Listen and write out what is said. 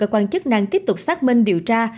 cơ quan chức năng tiếp tục xác minh điều tra